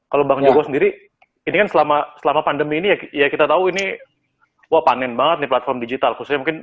kalau bang joko sendiri ini kan selama pandemi ini ya kita tahu ini wah panen banget nih platform digital khususnya mungkin